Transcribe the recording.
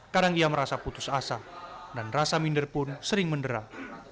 kadang ia merasa putus asa dan rasa minder pun sering menderang